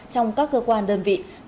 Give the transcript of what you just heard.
trong các cơ quan đơn vị